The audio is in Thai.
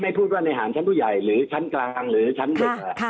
พูดว่าในหารชั้นผู้ใหญ่หรือชั้นกลางหรือชั้นเด็ก